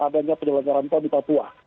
adanya penyelenggaran pon di papua